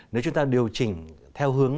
nếu chúng ta điều chỉnh theo hướng